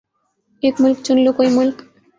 ایک مُلک چُن لو کوئی مُلک